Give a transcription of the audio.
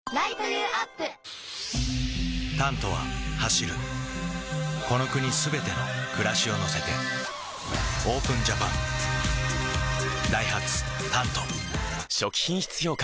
「タント」は走るこの国すべての暮らしを乗せてＯＰＥＮＪＡＰＡＮダイハツ「タント」初期品質評価